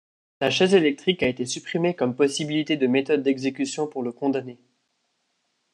La chaise électrique a été supprimée comme possibilité de méthode d'exécution pour le condamné.